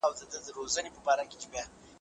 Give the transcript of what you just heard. د سوات په رڼو چینو کې اوس د غرونو رنګونه ښکاري.